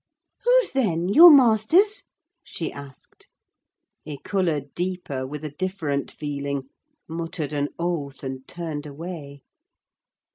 "Whose then—your master's?" she asked. He coloured deeper, with a different feeling, muttered an oath, and turned away.